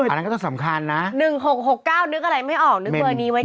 อันนั้นก็จะสำคัญนะ๑๖๖๙นึกอะไรไม่ออกนึกเบอร์นี้ไว้ก่อน